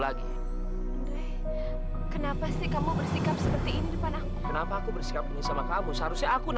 aku bukan perempuan seperti itu